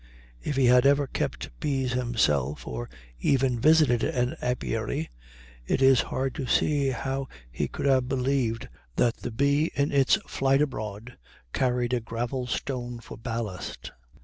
If he had ever kept bees himself, or even visited an apiary, it is hard to see how he could have believed that the bee in its flight abroad carried a gravel stone for ballast.